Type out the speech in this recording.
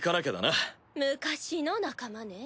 昔の仲間ねえ。